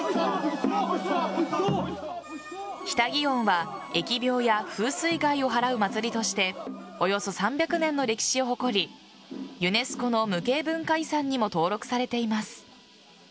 日田祇園は疫病や風水害を払う祭りとしておよそ３００年の歴史を誇りユネスコの無形文化遺産にも登録されています。